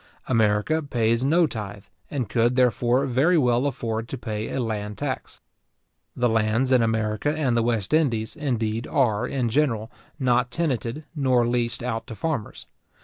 America pays no tythe, and could, therefore, very well afford to pay a land tax. The lands in America and the West Indies, indeed, are, in general, not tenanted nor leased out to farmers.